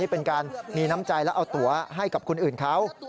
เป็นการมีน้ำใจและเอาตัวให้กับคนอื่นเขา